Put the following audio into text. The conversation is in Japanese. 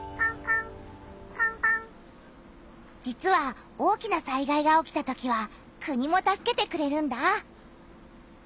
実は大きな災害が起きたときは「国」も助けてくれるんだ！